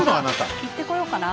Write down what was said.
行ってこようかな。